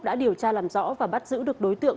đã điều tra làm rõ và bắt giữ được đối tượng